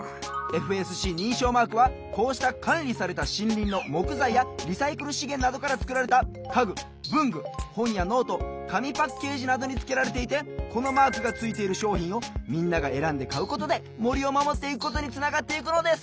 ＦＳＣにんしょうマークはこうしたかんりされたしんりんのもくざいやリサイクルしげんなどからつくられたかぐぶんぐほんやノートかみパッケージなどにつけられていてこのマークがついているしょうひんをみんながえらんでかうことでもりをまもっていくことにつながっていくのです。